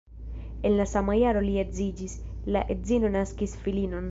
En la sama jaro li edziĝis, la edzino naskis filinon.